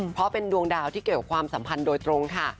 เพราะเป็นดวงดาวที่เกี่ยวกับความสัมพันธ์โดยตรงค่ะ